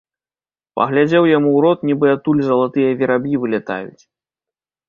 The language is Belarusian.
Паглядзеў яму ў рот, нібы адтуль залатыя вераб'і вылятаюць.